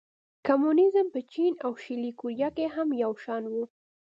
کمونېزم په چین او شلي کوریا کې هم یو شان و.